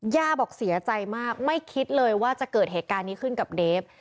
ย่าบอกเสียใจมากไม่คิดเลยว่าจะเกิดเหตุการณ์นี้ขึ้นกับเดฟ